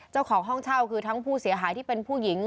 เจ้าของห้องเช่าคือทั้งผู้เสียหายที่เป็นผู้หญิง